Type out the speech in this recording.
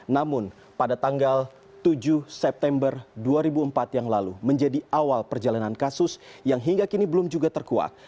namun pada tanggal tujuh september dua ribu empat yang lalu menjadi awal perjalanan kasus yang hingga kini belum juga terkuat